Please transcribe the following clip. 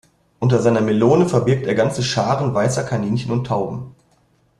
Unter seiner Melone verbirgt er ganze Scharen weißer Kaninchen und Tauben.